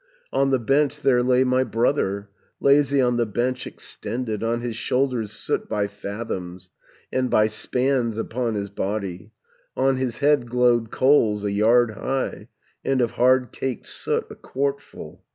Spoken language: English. "On the bench there lay my brother, Lazy on the bench extended, On his shoulders soot by fathoms, And by spans upon his body, 790 On his head glowed coals a yard high, And of hard caked soot a quartful.